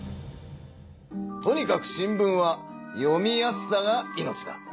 とにかく新聞は読みやすさが命だ。